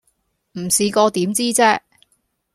唔試過點知啫